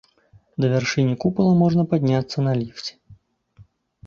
Да вяршыні купала можна падняцца на ліфце.